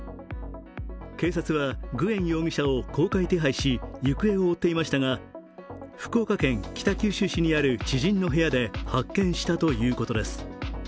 警察はグエン容疑者を公開手配し、行方を追っていましたが福岡県北九州市にある知人の部屋で発見したということです。